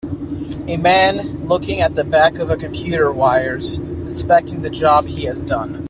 A man looking at the back of a computer wires inspecting the job he has done.